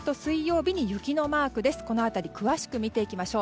この辺り詳しく見ていきましょう。